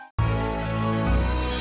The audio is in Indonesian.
aku gak sedih ngonggok tracknya